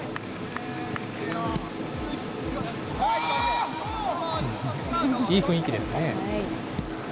いい雰囲気ですね。